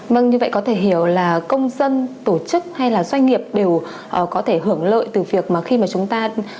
vâng như vậy có thể hiểu là công dân tổ chức hay là doanh nghiệp đều có thể hưởng lợi từ việc mà khi mà chúng ta